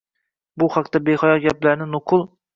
U haqda behayo gaplarni nuqul…